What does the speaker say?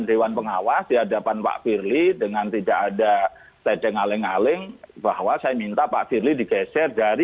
dewan pengawas kpk menjatuhkan sanksi ringan